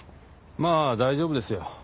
まぁ大丈夫ですよ。